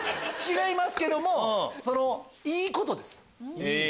違いますけどもいいことです。